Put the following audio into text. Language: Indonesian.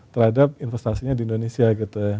terhadap investasinya di indonesia gitu